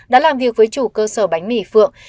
đã làm việc với chủ cơ sở bánh mì phượng